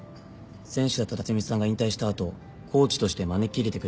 選手だった辰巳さんが引退した後コーチとして招き入れてくれたみたいです。